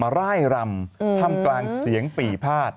ร่ายรำทำกลางเสียงปี่พาด